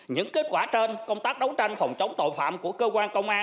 những kết quả trên công tác đấu tranh phòng chống tội phạm của cơ quan công an